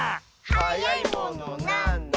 「はやいものなんだ？」